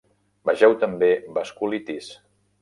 Vegeu també vasculitis.